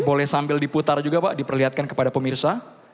boleh sambil diputar juga pak diperlihatkan kepada pemirsa